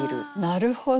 なるほど。